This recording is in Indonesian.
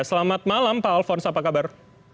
selamat malam pak alphonse apa kabar